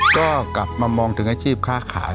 ก็กลับมามองถึงอาชีพค่าขาย